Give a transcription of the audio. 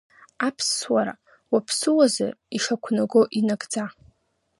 Аԥсуара, уаԥсуазар, ишақәнаго инагӡа.